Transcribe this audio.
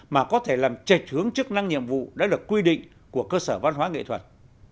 mà có thể làm trạch hướng chức năng nhiệm vụ đã được quy định của cơ sở văn hóa nghệ thuật